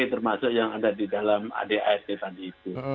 termasuk yang ada di dalam adart tadi itu